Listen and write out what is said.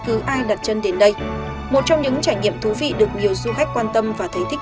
cứ ai đặt chân đến đây một trong những trải nghiệm thú vị được nhiều du khách quan tâm và thấy thích